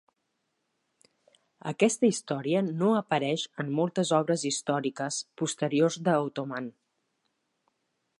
Aquesta història no apareix en moltes obres històriques posteriors de Ottoman.